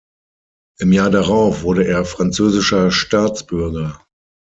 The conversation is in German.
Im Jahr darauf wurde er französischer Staatsbürger.